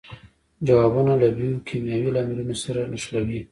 ځوابونه له بیوکیمیاوي لاملونو سره نښلوي.